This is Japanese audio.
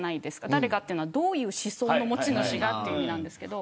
誰がというのはどういう思想の持ち主がという意味なんですけど。